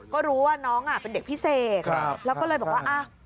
ก็รู้ว่าน้องเป็นเด็กพิเศษแล้วก็เลยบอกว่า